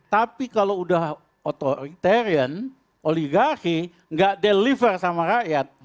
tapi kalau udah authoritarian oligarki nggak deliver sama rakyat